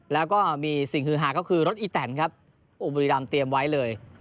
แล้วก็มีสิ่งฮือหาก็คือรถอีแตนครับโอ้บุรีรำเตรียมไว้เลย